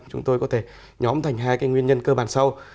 chúng tôi có thể nhóm thành hai nguyên nhân cơ bản sau